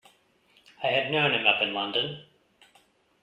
I had known him up in London.